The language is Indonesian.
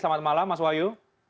selamat malam mas wahyu